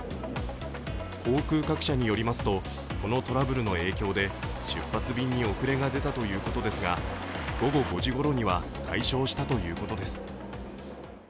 航空各社によりますとこのトラブルの影響で出発便に遅れが出たということですが午後５時ごろには解消したということです。